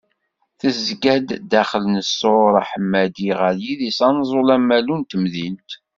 Tezga-d daxel n ssur aḥemmadi ɣer yidis Anẓul-Amalu n temdint.